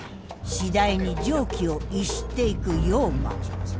次第に常軌を逸していく陽馬。